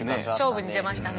勝負に出ましたね